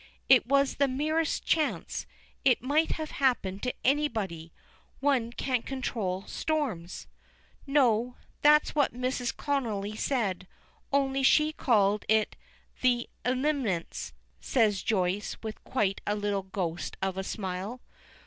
"It was the merest chance. It might have happened to anybody. One can't control storms!" "No that's what Mrs. Connolly said, only she called it 'the ilimints,'" says Joyce, with quite a little ghost of a smile.